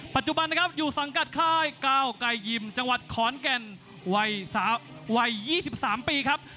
ปัจจุบันนะครับอยู่สังกัดค่ายก้าวไก่ยิมจังหวัดขอนแก่นวัย๒๓ปีครับ